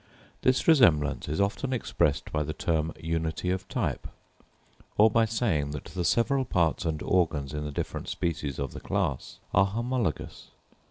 This resemblance is often expressed by the term "unity of type;" or by saying that the several parts and organs in the different species of the class are homologous.